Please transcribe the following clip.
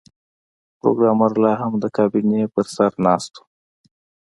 پروګرامر لاهم د کابینې پر سر ناست و